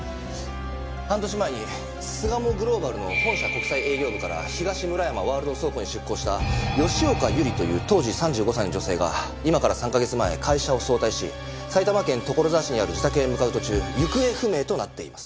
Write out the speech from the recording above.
半年前に巣鴨グローバルの本社国際営業部から東村山ワールド倉庫に出向した吉岡百合という当時３５歳の女性が今から３カ月前会社を早退し埼玉県所沢市にある自宅へ向かう途中行方不明となっています。